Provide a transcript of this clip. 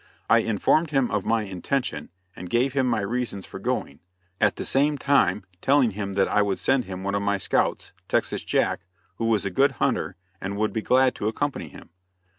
I informed him of my intention and gave him my reasons for going, at the same time telling him that I would send him one of my scouts, Texas Jack, who was a good hunter, and would be glad to accompany him.